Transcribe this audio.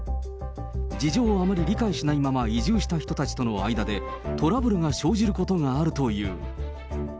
事情をあまり理解しないまま移住した人たちとの間で、トラブルが生じることがあるという。